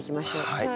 はい。